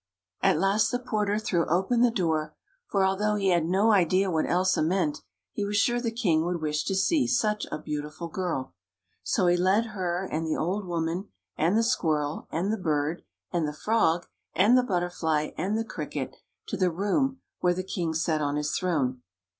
At last the porter threw open the door, for although he had no idea what Elsa meant, he was sure the king would wish to see such a beautiful girl. So he led her, and the old woman, and the squirrel, and the bird, and the frog, and the butterfly, and the cricket, to the room where the king sat on his throne.